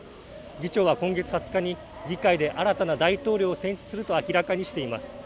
議長は今月２０日に議会で新たな大統領を選出すると明らかにしています。